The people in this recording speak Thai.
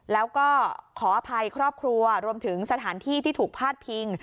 แล้วก็ขออภัยครอบครัวรวมถึงสถานที่ที่ถูกพาดพิง